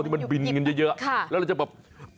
ที่มันบินเยอะแล้วจะแบบ